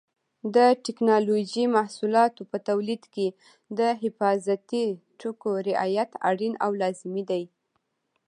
د ټېکنالوجۍ محصولاتو په تولید کې د حفاظتي ټکو رعایت اړین او لازمي دی.